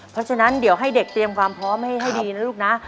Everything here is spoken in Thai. เพราะฉะนั้นเดี๋ยวให้เด็กเตรียมความพร้อมให้ดีนะลูกนะ